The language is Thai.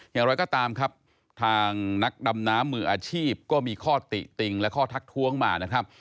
อย่างไรก็ตามครับทางนักดำน้ำมืออาชีพก็มีข้อติติงและข้อทักท้วงมานะครับ